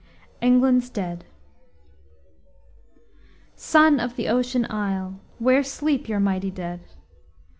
ENGLAND'S DEAD Son of the Ocean Isle! Where sleep your mighty dead?